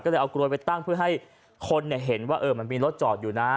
ก็เลยเอากลวยไปตั้งเพื่อให้คนเห็นว่ามันมีรถจอดอยู่นะ